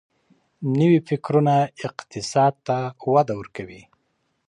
نوي فکرونه اقتصاد ته وده ورکوي.